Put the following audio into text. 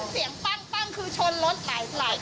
เสียงปั้งคือชนรถหลายคันนะคะ